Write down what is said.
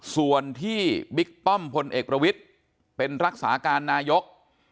ส่วนที่บิ๊กป้อมพลเอกประวิทย์เป็นรักษาการนายก